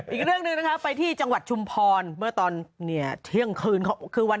อีกเรื่องเลยนะครับไปที่จังหวัดชุมพรเมื่อต้อนเทียงคืน